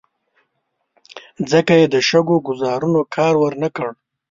ځکه یې د شګو ګوزارونو کار ور نه کړ.